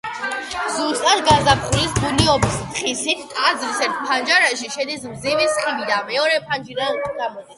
ზუსტად გაზაფხულის ბუნიობის დღისით, ტაძრის ერთ ფანჯარაში შედის მზის სხივი და მეორე ფანჯრიდან გადის.